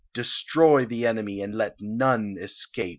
Destroy the enemy, and let none escape